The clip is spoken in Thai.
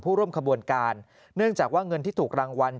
ร่วมขบวนการเนื่องจากว่าเงินที่ถูกรางวัล